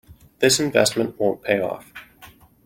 This investment won't pay off.